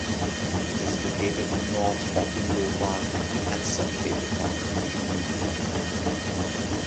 It is located north of Low Marnham and separated by greenfield land.